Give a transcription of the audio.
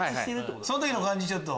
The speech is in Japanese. その時の感じをちょっと。